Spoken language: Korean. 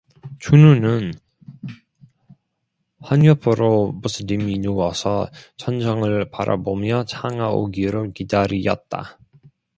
춘우는 한옆으로 비스듬히 누워서 천장을 바라보며 창하 오기를 기다리었다.